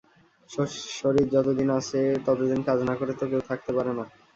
শরীর যতদিন আছে, ততদিন কাজ না করে তো কেউ থাকতে পারে না।